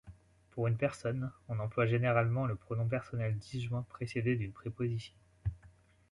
Pour une personne, on emploie généralement le pronom personnel disjoint précédé d'une préposition.